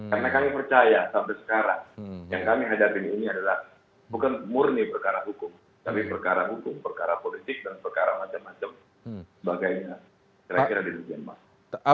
karena kami percaya sampai sekarang yang kami hadapi ini adalah bukan murni perkara hukum tapi perkara hukum perkara politik dan perkara macam macam sebagainya kira kira demikian mas